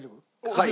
はい。